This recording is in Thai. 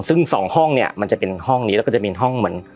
ซึ่งสองห้องเนี่ยมันจะเป็นห้องนี้แล้วก็จะมีห้องเหมือน